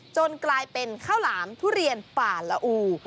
กลายเป็นข้าวหลามทุเรียนป่าละอู